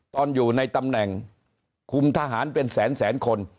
ตอนอยู่ในตำแหน่งคุมทหารเป็นแสนคน